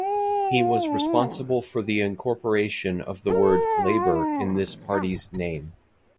He was responsible for the incorporation of the word "labor" in this party's name.